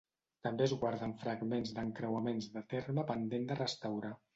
També es guarden fragments d'encreuaments de terme pendent de restaurar.